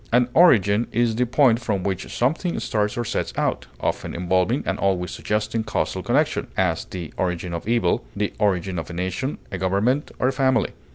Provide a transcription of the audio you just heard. An origin is the point from which something starts or sets out, often involving, and always suggesting causal connection; as, the origin of evil; the origin of a nation, a government, or a family.